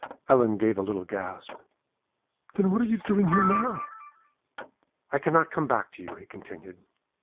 Ellen gave a little gasp. "Then what are you doing here now?" "I cannot come back to you," he continued.